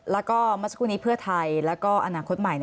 แล้วก็เมื่อสักครู่นี้เพื่อไทยแล้วก็อนาคตใหม่